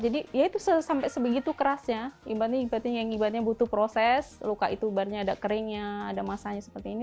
jadi ya itu sampai sebegitu kerasnya berarti yang ibaratnya butuh proses luka itu bar nya ada keringnya ada masanya seperti ini